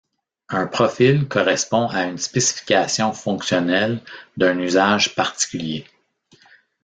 Un profil correspond à une spécification fonctionnelle d'un usage particulier.